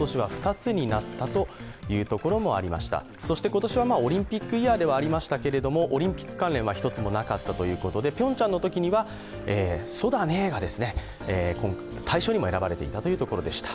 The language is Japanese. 今年はオリンピックイヤーではありましたけれども、オリンピック関連は１つもなかったということで、ピョンチャンのときには「そだねー」が大賞にも選ばれていたということでした。